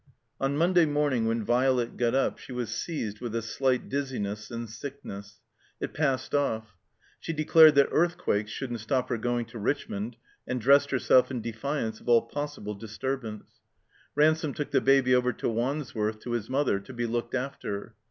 On Monday morning when Violet got up she was seized with a slight dizziness and sickness. It passed off. She declared that earthquakes shouldn't stop her going to Richmond, and dressed herself in de fiance of all possible disturbance. Ransome took the Baby over to Wandsworth, to his mother, to be looked after.